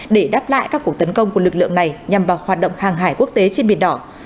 để đáp lại các cuộc tấn công của lực lượng này nhằm vào hoạt động hàng hải quốc tế trên biển đỏ